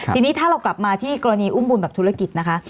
ทีนี้ถ้าเรากลับมาที่กรณีอุ้มบุญแบบธุรกิจนะคะ